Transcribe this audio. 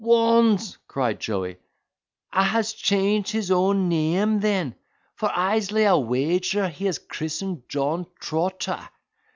"Waunds," cried Joey, "a has changed his own neame then! for I'se lay a wager he was christened John Trotter."